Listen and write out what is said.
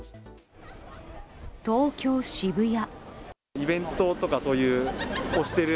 東京・渋谷。